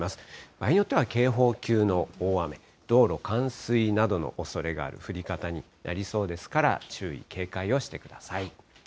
場合によっては、警報級の大雨、道路冠水などのおそれがある降り方になりそうですから、注意、警戒をしてください。